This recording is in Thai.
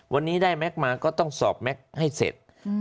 วันนี้ได้แก๊กมาก็ต้องสอบแม็กซ์ให้เสร็จ